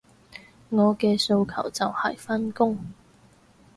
我嘅訴求就係返工